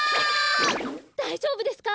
だいじょうぶですか？